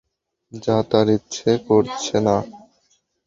যা তাঁর ইচ্ছা করছে না।